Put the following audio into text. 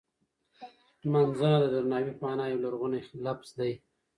نمځنه د درناوی په مانا یو لرغونی لفظ دی.